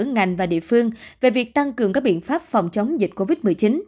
ngành và địa phương về việc tăng cường các biện pháp phòng chống dịch covid một mươi chín